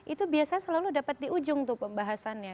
itu biasanya selalu dapat di ujung tuh pembahasannya